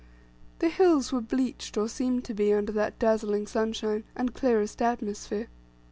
The hills were bleached, or seemed to be, under that dazzling sunshine, and clearest atmosphere.